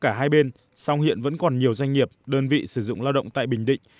trong hai bên sau hiện vẫn còn nhiều doanh nghiệp đơn vị sử dụng lao động tại bình định